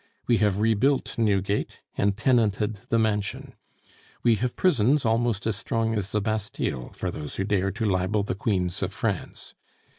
We have rebuilt Newgate, and tenanted the mansion. We have prisons almost as strong as the Bastile for those who dare to libel the Queens of France.